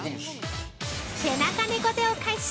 ◆背中猫背を解消